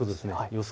予想